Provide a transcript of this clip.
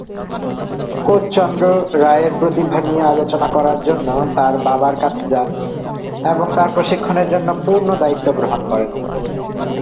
Coach Chandra, রায়ের প্রতিভা নিয়ে আলোচনা করার জন্য তার বাবার কাছে যান এবং তার প্রশিক্ষণের জন্য পূর্ণ দায়িত্ব গ্রহণ করেন।